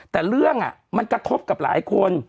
แต่เรื่องมันกระทบกับหลายคน